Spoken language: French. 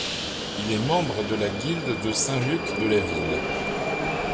Il est membre de la guilde de Saint-Luc de la ville.